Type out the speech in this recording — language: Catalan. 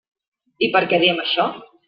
I per què diem això?